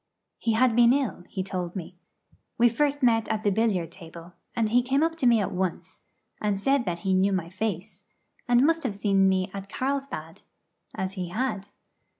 He had been ill, he told me. We met first at the billiard table, and he came up to me at once, and said that he knew my face, and must have met me at Carlsbad, as he had.